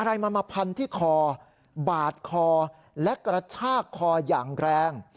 อะไรมันมาพันที่คอบาดคอและกระชากคออย่างแรง